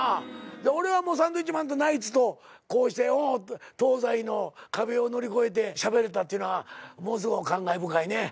で俺はサンドウィッチマンとナイツとこうして東西の壁を乗り越えてしゃべれたっていうのはものすごい感慨深いね。